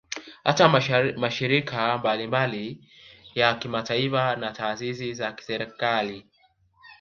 Hata mashirika mbalimbali ya kimataifa na taasisi za kiserikali